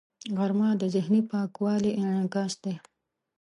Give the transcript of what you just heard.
غرمه د ذهني پاکوالي انعکاس دی